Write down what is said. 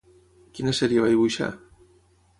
Quina sèrie va dibuixar?